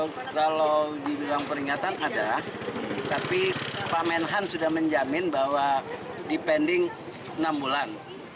kalau dibilang peringatan ada tapi pak menhan sudah menjamin bahwa dipending enam bulan